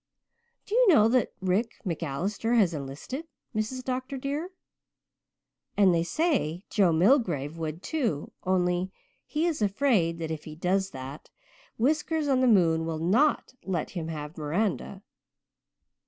Do you know that Rick MacAllister has enlisted, Mrs. Dr. dear? And they say Joe Milgrave would too, only he is afraid that if he does that Whiskers on the moon will not let him have Miranda.